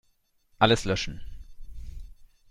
Alles löschen.